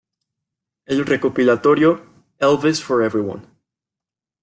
El recopilatorio "Elvis for Everyone!